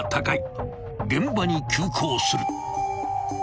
［現場に急行する］